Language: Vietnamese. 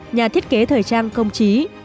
nhà thiết kế thời trang công trí